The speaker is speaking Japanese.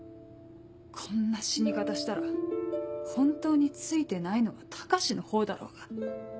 こんな死に方したら本当にツイてないのは高志のほうだろうが。